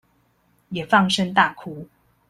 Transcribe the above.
也放聲大哭